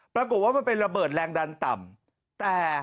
ปรากฏว่ามันเป็นระเบิดแรงดันต่ำแต่